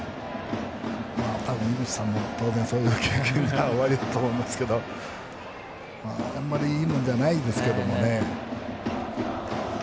井口さんも、そういう経験がおありだと思いますけどあんまりいいものではないですけどね。